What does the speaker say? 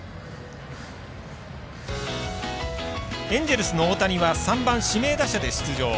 エンジェルスの大谷は３番指名打者で出場。